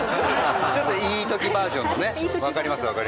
ちょっといい時バージョンのねわかりますわかります。